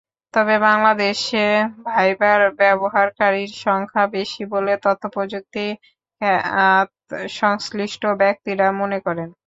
তবে বাংলাদেশে ভাইবার ব্যবহারকারীর সংখ্যা বেশি বলে তথ্যপ্রযুক্তি খাত-সংশ্লিষ্ট ব্যক্তিরা মনে করেন।